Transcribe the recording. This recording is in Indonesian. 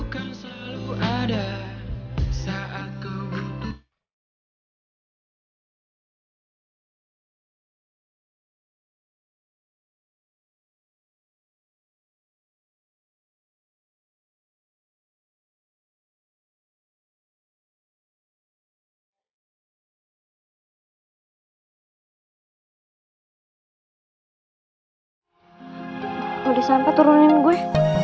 kalo disampe turunin gue